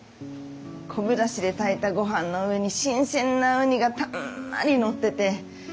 昆布だしで炊いたごはんの上に新鮮なウニがたんまり載ってて。